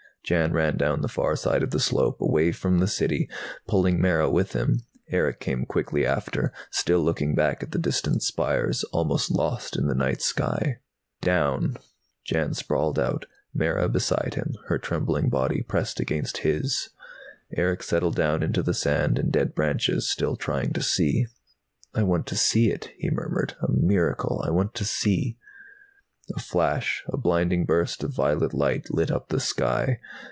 _" Jan ran, down the far side of the slope, away from the City, pulling Mara with him. Erick came quickly after, still looking back at the distant spires, almost lost in the night sky. "Down." Jan sprawled out, Mara beside him, her trembling body pressed against his. Erick settled down into the sand and dead branches, still trying to see. "I want to see it," he murmured. "A miracle. I want to see " A flash, a blinding burst of violet light, lit up the sky.